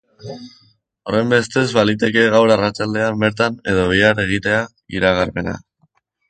Horrenbestez, baliteke gaur arratsaldean bertan edo bihar egitea iragarpena.